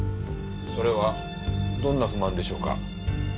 それはどんな不満でしょうか？